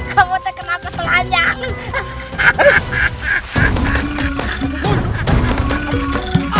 kamu terkenal kepelanjang